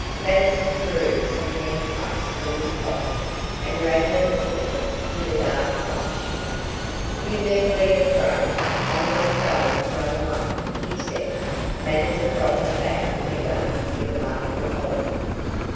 Mattison drew some hand cuffs from his pocket, and Radnor looked at them with a dark flush. "You needn't be afraid. I am not going to run away," he said. Mattison dropped them back again with a muttered apology.